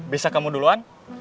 bisa kamu duluan